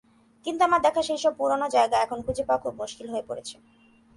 কিন্তু আমার দেখা সেইসব পুরানো জায়গা এখন খুঁজে পাওয়া খুব মুস্কিল হয়ে পড়ছে।